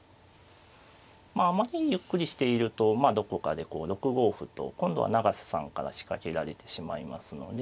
まああまりにゆっくりしているとどこかでこう６五歩と今度は永瀬さんから仕掛けられてしまいますので。